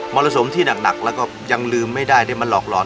รสมที่หนักแล้วก็ยังลืมไม่ได้ได้มาหลอกหลอน